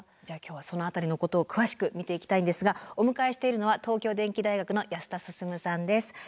じゃあ今日はその辺りのことを詳しく見ていきたいんですがお迎えしているのは東京電機大学の安田進さんです。